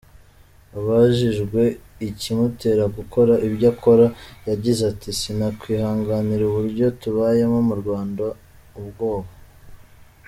Abajijwe ikimutera gukora ibyo akora, yagize ati: “Sinakwihanganira uburyo tubayeho mu Rwanda – ubwoba.